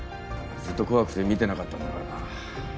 ずっと怖くて見てなかったんだからな。